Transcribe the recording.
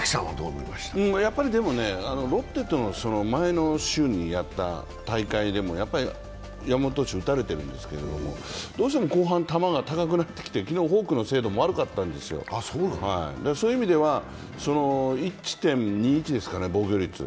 ロッテとの前の週にやった大会でも、山本投手、打たれてるんですけど、どうしても後半、球が高くなってきて昨日はフォークの精度も悪かったんですよ、そういう意味では１．２１ですかね、防御率は。